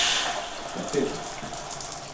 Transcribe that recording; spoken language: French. Sa tête.